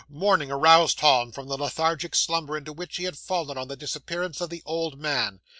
'Morning aroused Tom from the lethargic slumber, into which he had fallen on the disappearance of the old man.